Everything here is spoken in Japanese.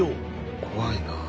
怖いな。